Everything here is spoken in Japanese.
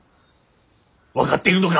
分かっているのか！？